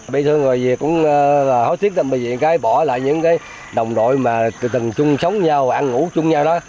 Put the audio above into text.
bị thương rồi gì cũng hối tiếc bởi vì cái bỏ lại những đồng đội mà từ từ chung sống nhau ăn ngủ chung nhau đó